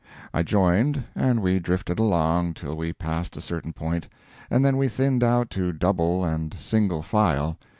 I joined, and we drifted along till we passed a certain point, and then we thinned out to double and single file.